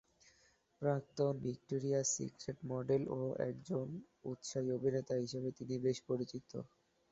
প্রাক্তন Victoria's Secret model ও একজন উৎসাহী অভিনেত্রী হিসেবে তিনি বেশি পরিচিত।